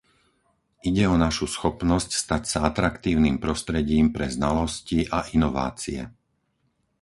Ide o našu schopnosť stať sa atraktívnym prostredím pre znalosti a inovácie.